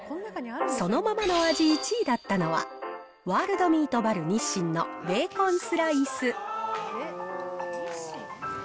そのままの味１位だったのは、ワールドミートバルニッシンのベーコンスライス。